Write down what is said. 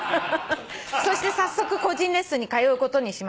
「そして早速個人レッスンに通うことにしました」